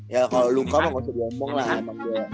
ya kalau luka mah nggak usah diomong lah emang dia